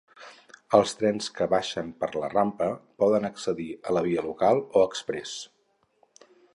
Els trens que baixen per la rampa poden accedir a la via local o exprès.